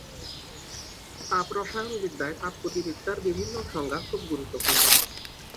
তাপ রসায়নবিদ্যায় তাপগতিবিদ্যার বিভিন্ন সংজ্ঞা খুব গুরুত্বপূর্ণ।